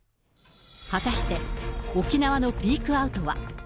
果たして、沖縄のピークアウトは。